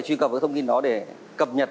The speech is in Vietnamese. truy cập với thông tin đó để cập nhật